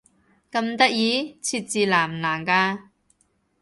咁得意？設置難唔難㗎？